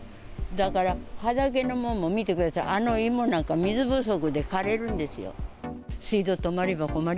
だから畑のもんも見てください、あの芋なんか水不足で枯れるんですよ。